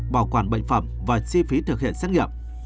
bảo quản bệnh phẩm và chi phí thực hiện xét nghiệm